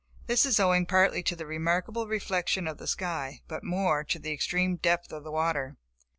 This is owing partly to the remarkable reflection of the sky but more to the extreme depth of the water.